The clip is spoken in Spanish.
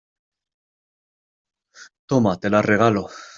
toma, te la regalo.